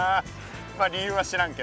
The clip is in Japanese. まあ理由は知らんけど。